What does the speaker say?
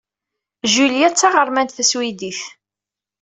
Julia d taɣermant taswidit.